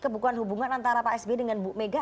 kebekuan hubungan antara pak s b dengan bu mega